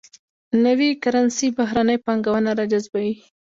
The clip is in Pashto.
نوي کرنسي بهرنۍ پانګونه راجذبوي.